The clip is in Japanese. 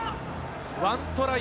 １トライ